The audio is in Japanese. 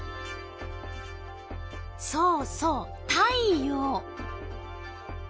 そうそう太陽。